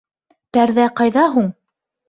Пәрҙә ҡайҙа һуң?